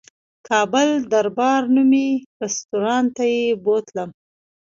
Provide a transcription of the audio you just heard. کابل دربار نومي رستورانت ته یې بوتلم.